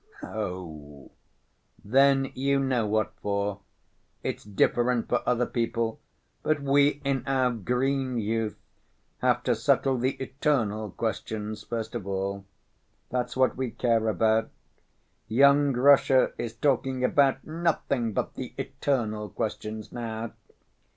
"No." "Then you know what for. It's different for other people; but we in our green youth have to settle the eternal questions first of all. That's what we care about. Young Russia is talking about nothing but the eternal questions now.